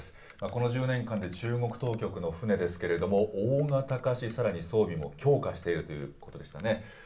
この１０年間で中国当局の船ですけれども、大型化し、さらに装備も強化しているということでしたね。